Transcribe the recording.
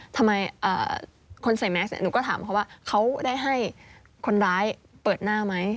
ทำไมคนใส่แมสหนูก็ถามเขาว่าเขาได้ให้คนร้ายเปิดหน้าไหม